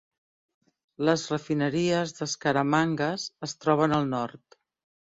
Les refineries de Skaramangas es troben al nord.